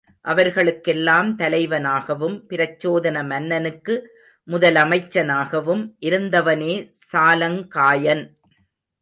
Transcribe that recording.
அவர்களுக்கெல்லாம் தலைவனாகவும் பிரச்சோதன மன்னனுக்கு முதலமைச்சனாகவும் இருந்தவனே சாலங்காயன்.